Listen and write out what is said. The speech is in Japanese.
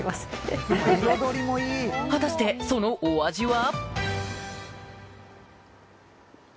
果たしてそのお味は？